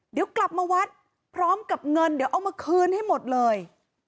เดี๋ยวกลับมาวัดพร้อมกับเงินเดี๋ยวเอามาคืนให้หมดเลย